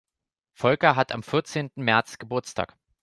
Volker hat am vierzehnten März Geburtstag.